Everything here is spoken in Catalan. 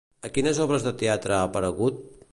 A quines obres de teatre ha aparegut?